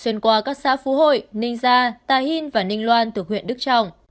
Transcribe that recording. xuyên qua các xã phú hội ninh gia tà hìn và ninh loan thuộc huyện đức trọng